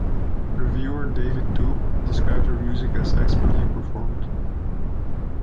Reviewer David Toub described her music as "expertly performed".